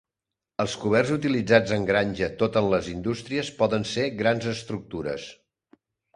Els coberts utilitzats en granja tot en les indústries poden ser grans estructures.